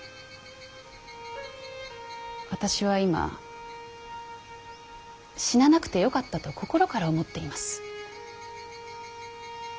私は今死ななくてよかったと心から思っています。